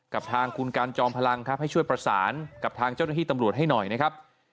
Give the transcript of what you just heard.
กับทางคุณการจอมพลังครับให้ช่วยประสานกับทางเจ้าหน้าที่ตำรวจให้หน่อยนะครับ